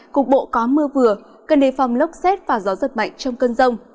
cục bộ có mưa vừa cơn đề phòng lốc xoáy và gió giật mạnh trong cơn rông